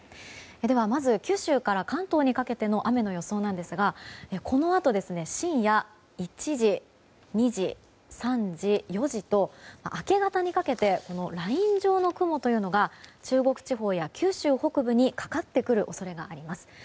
ではまず九州から関東にかけての雨の予想なんですが、このあと深夜１時、２時、３時、４時と明け方にかけてライン状の雲というのが中国地方から九州北部にかかってくる恐れがあります。